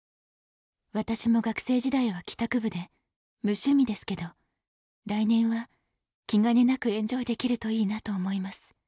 私も学生時代は帰宅部で無趣味ですけど来年は気兼ねなくエンジョイできるといいなと思います。